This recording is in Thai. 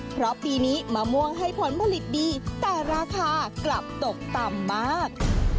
เพราะปีนี้มะม่วงให้ผลผลิตดีแต่ราคากลับตกต่ำมาก